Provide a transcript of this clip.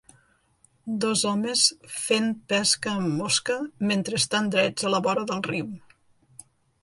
Dos homes fent pesca amb mosca mentre estan drets a la vora del riu.